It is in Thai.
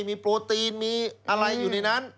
มีโปรตีนมีอะไรอยู่ในนั้น